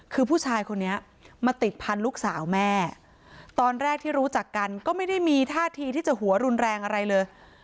คือผู้ชายคนนี้มาติดพันธุ์ลูกสาวแม่ตอนแรกที่รู้จักกันก็ไม่ได้มีท่าทีที่จะหัวรุนแรงอะไรเลย